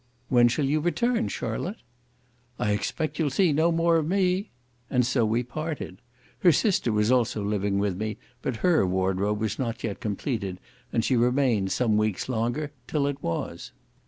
"When shall you return, Charlotte?" "I expect you'll see no more of me." And so we parted. Her sister was also living with me, but her wardrobe was not yet completed, and she remained some weeks longer, till it was.